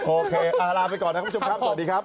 โอเคลากลับตามนั้นครับคุณผู้ชมสวัสดีครับ